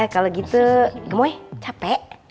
kalau gitu gemoy capek